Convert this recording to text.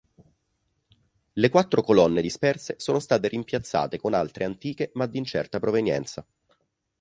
Le quattro colonne disperse sono state rimpiazzate con altre antiche ma di incerta provenienza.